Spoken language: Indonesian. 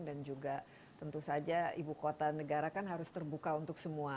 dan juga tentu saja ibu kota negara kan harus terbuka untuk semua